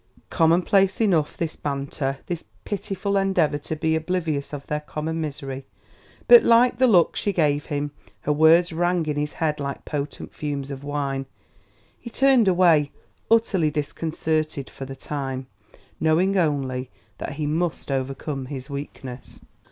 Commonplace enough, this banter, this pitiful endeavor to be oblivious of their common misery; but like the look she gave him, her words rang in his head like potent fumes of wine. He turned away, utterly disconcerted for the time, knowing only that he must overcome his weakness.